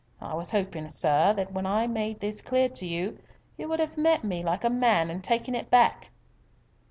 I was hoping, sir, that when I made this clear to you, you would have met me like a man and taken it back."